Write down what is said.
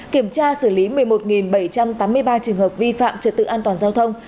kiểm tra xử lý một mươi một bảy trăm tám mươi ba trường hợp vi phạm trật tự an toàn giao thông